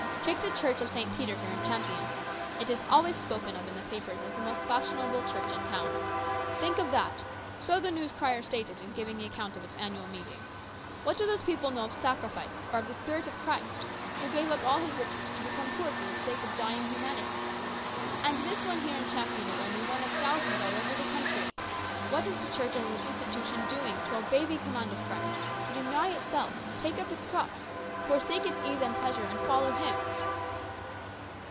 Take the church of St. Peter here in Champion. It is always spoken of in the papers as the most fashionable church in town. Think of that ! So the News Crier stated in giving the account of its annual meeting. What do those people know of sacrifice, or of the spirit of Christ, THE CONFERENCE. 247 who gave up all His riches to become poor for the sake of dying humanity ? And this one here in Champion is only one out of thousands all over the country. What is the Church as an institution doing to obey the command of Christ, to deny itself, take up its cross, forsake its ease and pleasure, and follow Him?"